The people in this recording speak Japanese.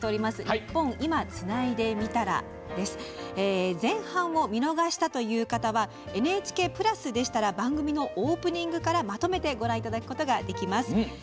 「ニッポン『今』つないでみたら」です。前半を見逃したという方はＮＨＫプラスでしたら番組のオープニングからまとめてご覧いただくことができます。